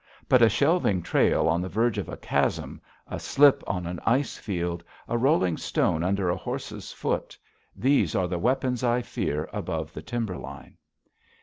But a shelving trail on the verge of a chasm, a slip on an ice field, a rolling stone under a horse's foot these are the weapons I fear above the timber line.